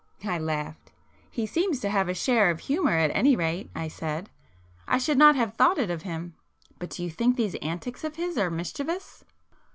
I laughed. "He seems to have a share of humour at anyrate,"—I said; "I should not have thought it of him. But do you think these antics of his are mischievous?"